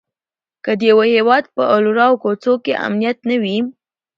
که د یوه هيواد په الرو او کوڅو کې امنيت نه وي؛